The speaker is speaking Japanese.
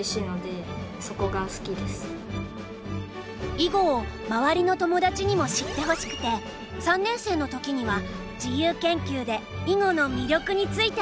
囲碁を周りの友達にも知ってほしくて３年生の時には自由研究で囲碁の魅力についてまとめたんだ。